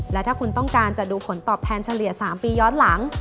และถ้าคุณต้องการจะดูผลตอบแทนเฉลี่ย๓ปีย้อนหลัง